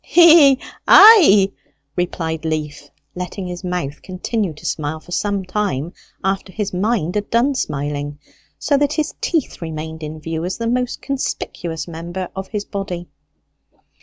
"Hee hee ay!" replied Leaf, letting his mouth continue to smile for some time after his mind had done smiling, so that his teeth remained in view as the most conspicuous members of his body.